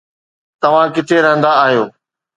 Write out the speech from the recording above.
توهان ڪٿي رهندا آهيو